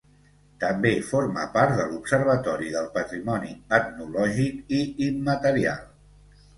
També forma part de l'Observatori del Patrimoni Etnològic i Immaterial.